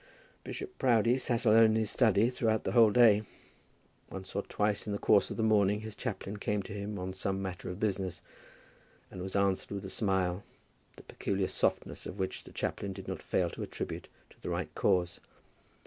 Bishop Proudie sat alone in his study throughout the whole day. Once or twice in the course of the morning his chaplain came to him on some matter of business, and was answered with a smile, the peculiar softness of which the chaplain did not fail to attribute to the right cause.